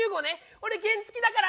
俺原付だから。